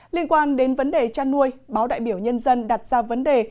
liên quan đến vấn đề chăn nuôi báo đại biểu nhân dân đặt ra vấn đề